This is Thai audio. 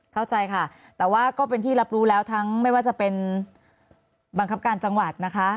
เข้าใจค่ะแต่ว่าก็เป็นที่รับรู้แล้วทั้งไม่ว่าจะเป็นบังคับการจังหวัดนะคะ